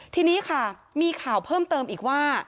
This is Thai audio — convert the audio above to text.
ทีนี้ค่ะมีข่าวเพิ่มเติมอีกว่า